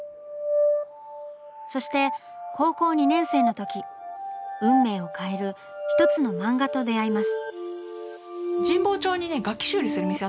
そして高校２年生のとき運命を変える一つの漫画と出会います。